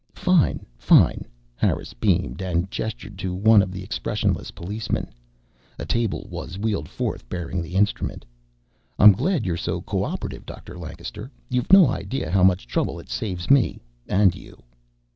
"Fine, fine." Harris beamed and gestured to one of the expressionless policemen. A table was wheeled forth, bearing the instrument. "I'm glad you're so cooperative, Dr. Lancaster. You've no idea how much trouble it saves me and you."